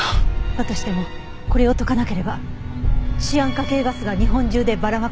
だとしてもこれを解かなければシアン化系ガスが日本中でばらまかれる。